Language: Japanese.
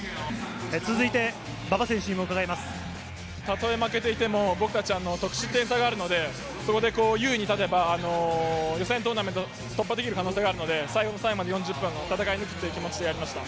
続いて、たとえ負けていても、僕たちは得失点差があるので、そこで優位に立てば、予選トーナメント突破できる可能性があるので、最後の最後まで４０分戦い抜くという気持ちでやりました。